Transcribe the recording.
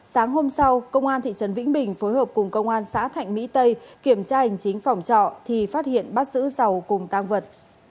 sáng hôm sau công an thị trấn vĩnh bình phối hợp cùng công an xã thạnh mỹ tây kiểm tra hành chính phòng trọ thì phát hiện bắt giữ dầu cùng tăng vật